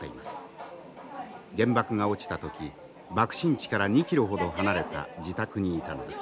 原爆が落ちた時爆心地から２キロほど離れた自宅にいたのです。